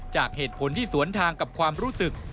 จากเหตุผลที่สวนทางกับความรู้สึก